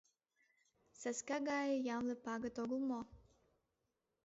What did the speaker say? Сӓскӓ гае ямле пагыт огыл мо?